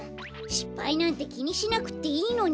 しっぱいなんてきにしなくっていいのに。